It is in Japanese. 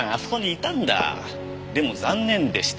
でも残念でした。